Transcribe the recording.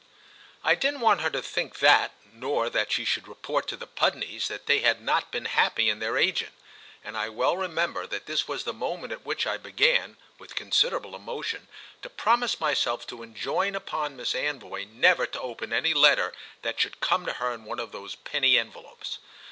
I didn't want her to think that, nor that she should report to the Pudneys that they had not been happy in their agent; and I well remember that this was the moment at which I began, with considerable emotion, to promise myself to enjoin upon Miss Anvoy never to open any letter that should come to her in one of those penny envelopes.